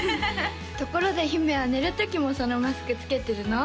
ところで姫は寝る時もそのマスクつけてるの？